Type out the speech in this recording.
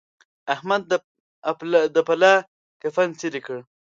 احمد دا پلا کفن څيرې کړ.